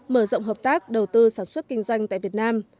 mở rộng hợp tác đầu tư sản xuất kinh doanh tại việt nam